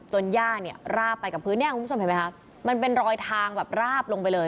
จนย่างราบไปกับพื้นมันเป็นรอยทางราบลงไปเลย